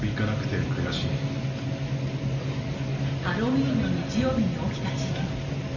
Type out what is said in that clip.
ハロウィーンの日曜日に起きた事件。